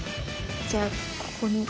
じゃあここに。